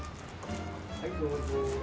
はいどうぞ。